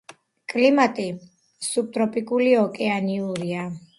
კლიმატი სუბტროპიკული, ოკეანურია.